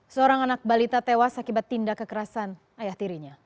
seorang anak balita tewas akibat tindak kekerasan ayah tirinya